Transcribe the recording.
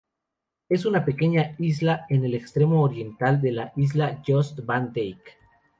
Es una pequeña isla en el extremo oriental de la isla Jost Van Dyke.